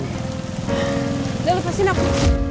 udah lepasin aku